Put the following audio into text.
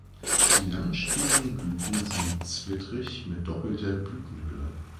Die langstieligen Blüten sind zwittrig mit doppelter Blütenhülle.